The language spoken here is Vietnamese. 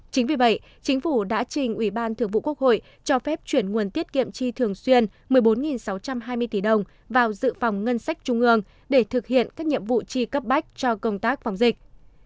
chính vì vậy chính phủ đã trình ủy ban thượng vụ quốc hội cho phép chuyển nguồn tiết kiệm chi thường xuyên một mươi bốn sáu trăm hai mươi tỷ đồng vào dự phòng ngân sách trung ương để thực hiện các nhiệm vụ chi cấp bách cho công tác phòng dịch